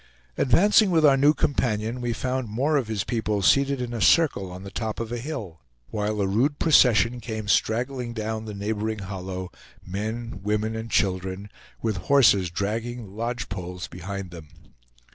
Advancing with our new companion, we found more of his people seated in a circle on the top of a hill; while a rude procession came straggling down the neighboring hollow, men, women, and children, with horses dragging the lodge poles behind them.